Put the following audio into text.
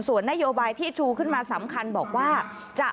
ส่วนนโยบายที่ชูขึ้นมาสำคัญบอกว่าจะ